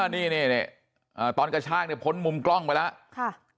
นี่ตอนกระชากเนี่ยพ้นมุมกล้องไปแล้ว